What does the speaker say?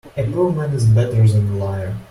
A poor man is better than a liar.